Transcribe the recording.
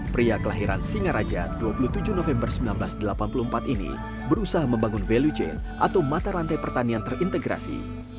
pria kelahiran singaraja dua puluh tujuh november seribu sembilan ratus delapan puluh empat ini berusaha membangun value chain atau mata rantai pertanian terintegrasi